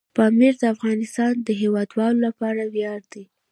پامیر د افغانستان د هیوادوالو لپاره ویاړ دی.